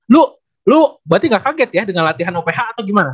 lu lo berarti gak kaget ya dengan latihan oph atau gimana